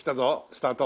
スタート。